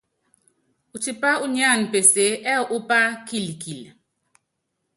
Utipá unyáan peseé ɛ́ɛ upá kilkil.